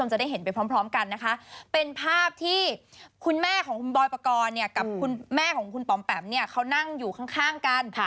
แม่ของคุณปอ่มแปมนั่งอยู่ข้างกัน